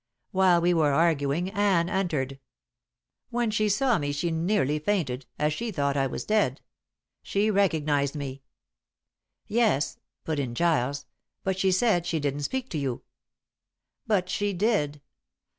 While we were arguing Anne entered. When she saw me she nearly fainted, as she thought I was dead. She recognized me." "Yes," put in Giles, "but she said she didn't speak to you." "But she did.